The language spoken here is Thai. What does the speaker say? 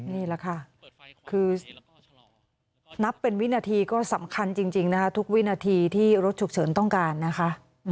นี่แหละค่ะคือนับเป็นวินาทีก็สำคัญจริงนะคะ